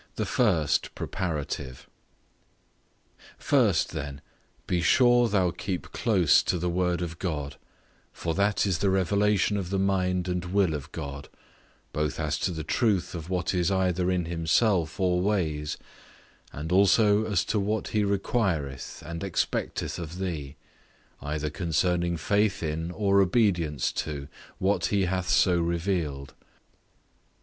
I. The first preparative. First, Then, be sure thou keep close to the Word of God for that is the revelation of the mind and will of God, both as to the truth of what is either in himself or ways, and also as to what he requireth and expecteth of thee, either concerning faith in, or obedience to, what he hath so revealed.